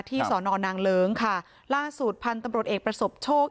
สอนอนางเลิ้งค่ะล่าสุดพันธุ์ตำรวจเอกประสบโชค